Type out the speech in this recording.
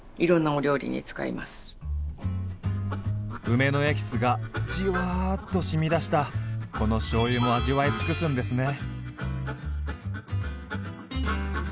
梅のエキスがじわっとしみ出したこのしょうゆも味わい尽くすんですね。